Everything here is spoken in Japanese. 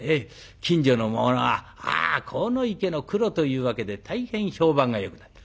近所の者は『ああ鴻池のクロ』というわけで大変評判がよくなった。